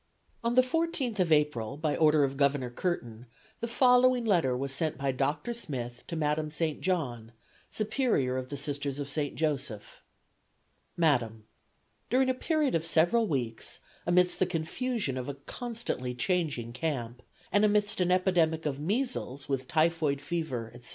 On the 14th of April, by order of Governor Curtin, the following letter was sent by Dr. Smith to Madam St. John, Superior of the Sisters of St. Joseph: "Madam: During a period of several weeks, amidst the confusion of a constantly changing camp, and amidst an epidemic of measles, with typhoid fever, etc.